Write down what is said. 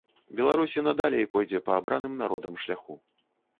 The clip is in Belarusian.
Беларусь і надалей пойдзе па абраным народам шляху.